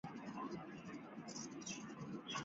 他是布什政府的第二位国家安全事务助理。